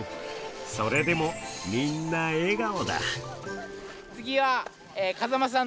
それでもみんな笑顔だ。